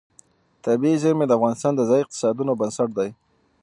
طبیعي زیرمې د افغانستان د ځایي اقتصادونو بنسټ دی.